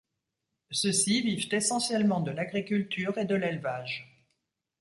Ceux-ci vivent essentiellement de l'agriculture et de l'élevage.